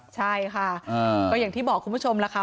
ใช่ค่ะก็อย่างที่บอกคุณผู้ชมล่ะค่ะ